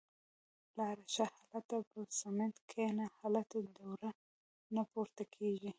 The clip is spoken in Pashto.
– لاړه شه. هالته پر سمڼت کېنه. هلته دوړه نه پورته کېږي.